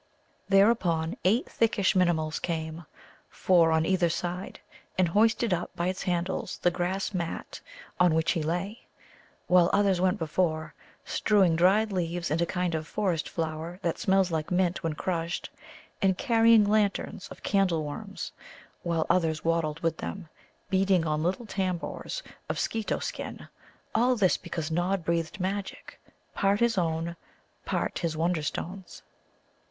Thereupon eight thickish Minimuls came four on either side and hoisted up by its handles the grass mat on which he lay, while others went before, strewing dried leaves and a kind of forest flower that smells like mint when crushed, and carrying lanterns of candle worms, while others waddled with them, beating on little tambours of Skeeto skin all this because Nod breathed magic, part his own, part his Wonderstone's.